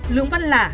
lương văn lả